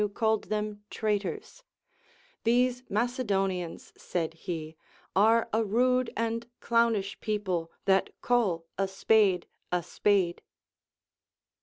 196 THE APOPHTHEGMS OF KINGS called them traitors, These Macedonians, said he, are a rude and clownish people, that call a spade a spade.